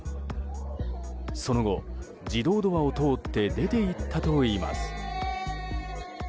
その後、自動ドアを通って出ていったといいます。